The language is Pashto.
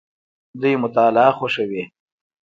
دوی مطالعه خوښوي.